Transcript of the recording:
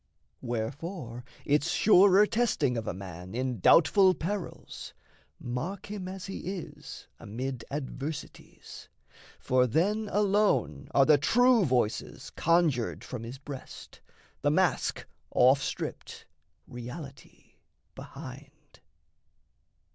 Wherefore, it's surer testing of a man In doubtful perils mark him as he is Amid adversities; for then alone Are the true voices conjured from his breast, The mask off stripped, reality behind.